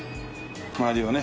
周りをね。